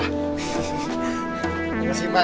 terima kasih mbak ya